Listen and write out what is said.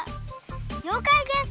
りょうかいです！